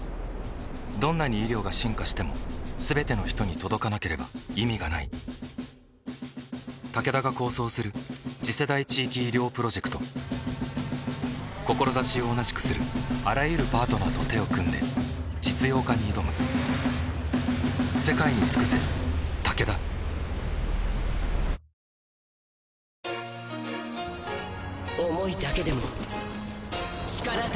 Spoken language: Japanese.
どんなに医療が進化しても全ての人に届かなければ意味がないタケダが構想する次世代地域医療プロジェクト志を同じくするあらゆるパートナーと手を組んで実用化に挑む［超絶チャレンジ２，９８０円の食べ放題で原価以上食べて元は取れるのか］